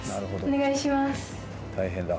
お願いします